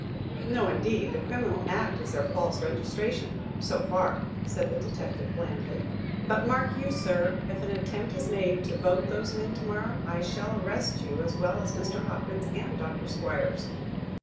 "No, indeed. The criminal act is their false registration, so far," said the detective, blandly. "But mark you, sir; if an attempt is made to vote those men tomorrow, I shall arrest you, as well as Mr. Hopkins and Dr. Squiers."